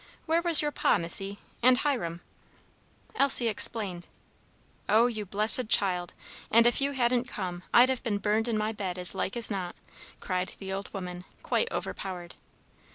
Where was your Pa, Missy, and Hiram?" Elsie explained. "Oh, you blessed child; and if you hadn't come, I'd have been burned in my bed, as like as not!" cried the old woman, quite overpowered.